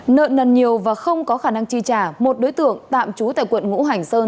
nợ nần nhiều và không có khả năng chi trả một đối tượng tạm trú tại quận ngũ hành sơn